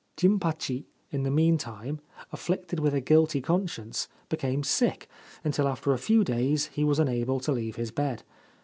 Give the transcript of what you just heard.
Jimpachi in the meantime, afflicted with a guilty conscience, became sick, until after a few days he was unable to leave his bed.